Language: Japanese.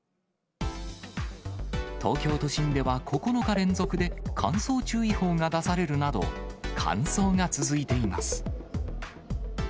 東京都心では９日連続で乾燥注意報が出されるなど、乾燥が続いています。